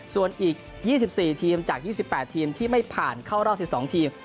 ส่วนอีก๒๔ทีมจาก๒๘ทีมที่ไม่ผ่านเข้ารอบ๑๒ทีม